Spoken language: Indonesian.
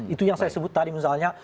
itu yang saya sebut tadi misalnya